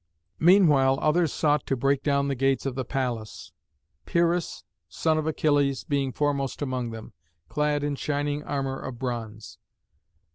Meanwhile others sought to break down the gates of the palace, Pyrrhus, son of Achilles, being foremost among them, clad in shining armour of bronze.